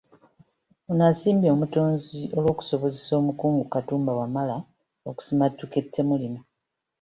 Ono asiimye Omutonzi olw'okusobozesa omukungu Katumba Wamala okusimattuka ettemu lino.